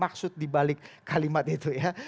maksud dibalik kalimat itu ya